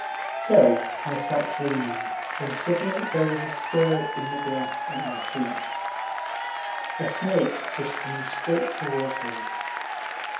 So I sat dreaming, when suddenly there was a stir in the grass at my feet. A snake was coming straight toward me.